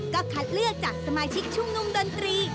ก็คัดเลือกจากสมาชิกชุมนุมดนตรี